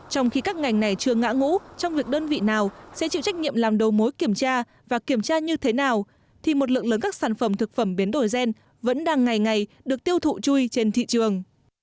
trong khi các ngành này chưa ngã ngũ trong việc đơn vị nào sẽ chịu trách nhiệm làm đầu mối kiểm tra và kiểm tra như thế nào thì một lượng lớn các sản phẩm thực phẩm biến đổi gen vẫn đang ngày ngày được tiêu thụ chui trên thị trường